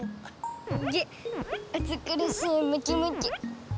げっあつくるしいムキムキ！